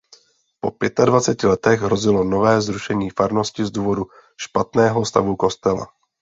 Po pětadvaceti letech hrozilo nové zrušení farnosti z důvodu špatného stavu kostela.